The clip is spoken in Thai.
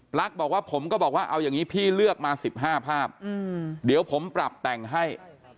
ลั๊กบอกว่าผมก็บอกว่าเอาอย่างนี้พี่เลือกมา๑๕ภาพเดี๋ยวผมปรับแต่งให้